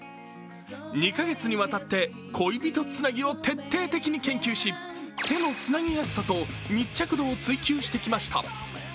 ２か月にわたって恋人つなぎを徹底的に研究し手のつなぎやすさと密着度を追求してきました。